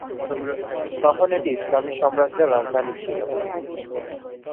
তখন এটি ইসলামি সাম্রাজ্যের রাজধানী ছিল।